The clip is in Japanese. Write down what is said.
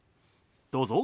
どうぞ。